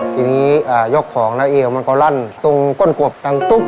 ทีนี้ยกของแล้วเอียวมันก็รั่นตรงก้นกบอย่างตุ๊บ